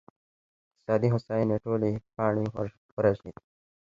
اقتصادي هوساینې ټولې پاڼې ورژېدې